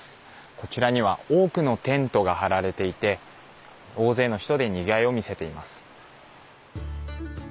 こちらには多くのテントが張られていて大勢の人でにぎわいを見せています。